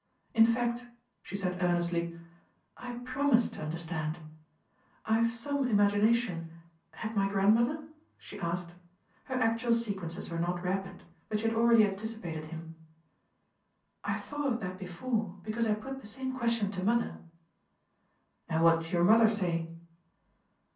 In fact," she said earnestly, "I PROMISE to understand. I've some imagination. Had my grandmother?" she asked. Her actual sequences were not rapid, but she had already anticipated him. "I've thought of that before, because I put the same question to mother." "And what did your mother say?"